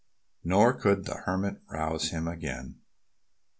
Nor could the Hermit rouse him again.